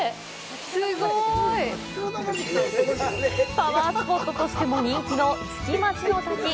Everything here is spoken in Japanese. すごい！パワースポットとしても人気の「月待の滝」。